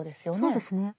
そうですね。